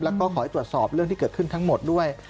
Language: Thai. แล้วก็ขอให้ตรวจสอบเรื่องที่เกิดขึ้นทั้งหมดด้วย